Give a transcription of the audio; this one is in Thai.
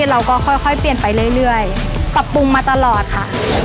เราก็ค่อยเปลี่ยนไปเรื่อยปรับปรุงมาตลอดค่ะ